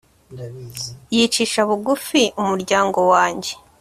yicisha bugufi, umuryango wanjye